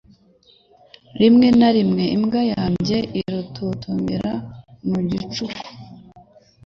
Rimwe na rimwe imbwa yanjye iratontomera mu gicuku.